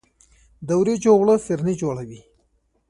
د وریجو اوړه فرني جوړوي.